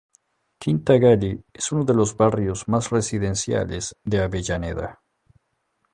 Quinta Galli es uno de los barrios más residenciales de Avellaneda.